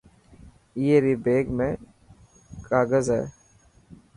اي ري بيگ ۾ ڪاگز هي.